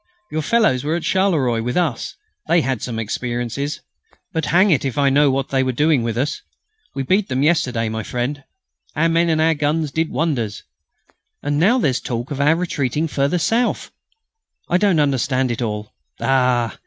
Your fellows were at Charleroi with us; they had some experiences! But hang it if I know what they are doing with us. We beat them yesterday, my friend. Our men and our guns did wonders. And now there's talk of our retreating further south. I don't understand it all. Ah!